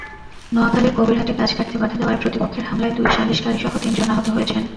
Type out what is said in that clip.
নোয়াখালীর কবিরহাটে গাছ কাটতে বাধা দেওয়ায় প্রতিপক্ষের হামলায় দুই সালিসকারীসহ তিনজন আহত হয়েছেন।